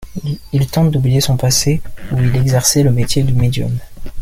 Il tente d'oublier son passé où il exerçait le métier de médium.